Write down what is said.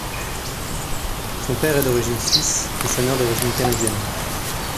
Son père est d'origine suisse et sa mère d'origine canadienne.